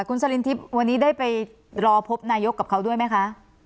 คุณสลินทิพย์วันนี้ได้ไปรอพบนายกกับเขาด้วยไหมคะ